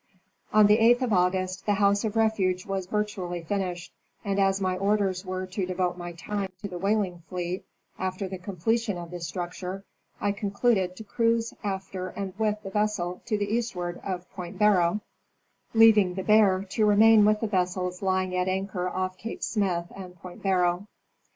Upon the 8th of August the house of refuge was virtually finished, and as my orders were to devote my time to the whaling fleet, after the completion of this structure, I concluded to cruise after and with the vessel to the eastward of Point Barrow, leav ing the Bear to remain with the vessels lying at anchor off Cape Smyth and Point Barrow.